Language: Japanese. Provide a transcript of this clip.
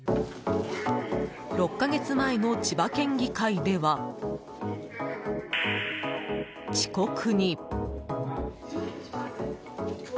６か月前の千葉県議会では遅刻に。